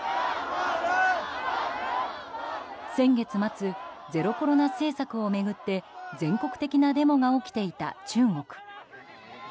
先月末ゼロコロナ政策を巡って全国的なデモが起きていた中国。